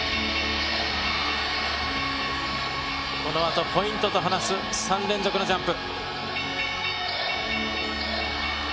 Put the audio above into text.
このあとポイントと話す３連続のジャンプ。